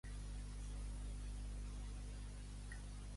L'estri de fumar negat en un moment clau de la història de l'art contemporani.